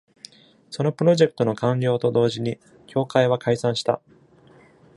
そのプロジェクトの完了と同時に協会は解散した。